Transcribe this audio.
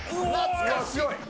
懐かしい。